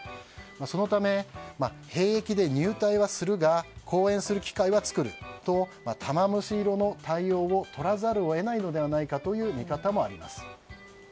そのため、兵役で入隊はするが公演する機会は作ると玉虫色の対応を取らざるを得ないのではないかという見方もあります。